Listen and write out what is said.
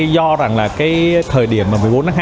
do thời điểm một mươi bốn tháng hai